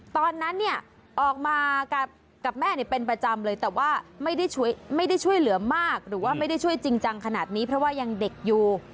ตอนนั้นเนี่ยออกมากับแม่เป็นประจำเลยแต่ว่าไม่ได้ช่วยเหลือมากหรือว่าไม่ได้ช่วยจริงจังขนาดนี้เพราะว่ายังเด็กอยู่